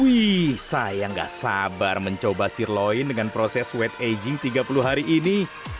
wih saya nggak sabar mencoba sirloin dengan proses wed aging tiga puluh hari ini